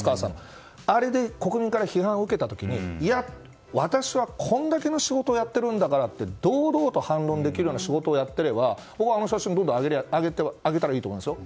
あれで国民から批判を受けた時にいや、私はこれだけの仕事をやってるんだからと堂々と反論できるような仕事をやっていれば僕はあの写真上げたらいいと思いますよ。